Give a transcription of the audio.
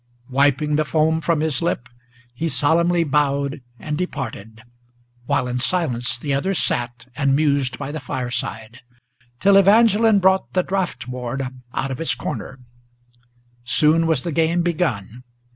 Wiping the foam from his lip, he solemnly bowed and departed, While in silence the others sat and mused by the fireside, Till Evangeline brought the draught board out of its corner. Soon was the game begun.